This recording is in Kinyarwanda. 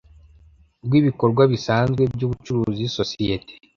rw ibikorwa bisanzwe by ubcuruzi sosiyete